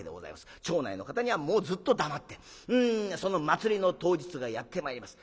町内の方にはずっと黙ってその祭りの当日がやって参ります。